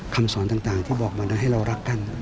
คำสอนต่างที่บอกมาให้เรารักกัน